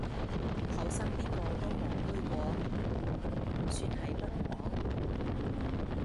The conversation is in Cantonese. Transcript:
後生邊個都戇居過，算係不枉